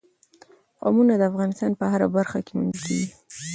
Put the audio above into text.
قومونه د افغانستان په هره برخه کې موندل کېږي.